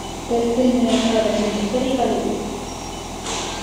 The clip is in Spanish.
El filme es una versión histórica libre.